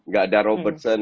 gak ada robertson